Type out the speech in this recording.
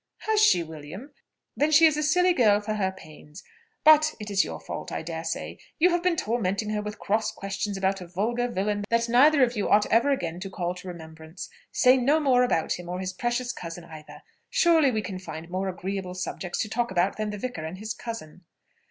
"Has she, William? Then she is a silly girl for her pains. But it is your fault, I dare say. You have been tormenting her with cross questions about a vulgar villain that neither of you ought ever again to call to remembrance. Say no more about him or his precious cousin either. Surely we can find more agreeable subjects to talk about than the vicar and his cousin."